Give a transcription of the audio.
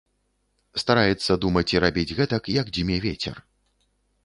Стараецца думаць і рабіць гэтак, як дзьме вецер.